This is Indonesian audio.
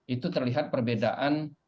itu terlihat perbedaan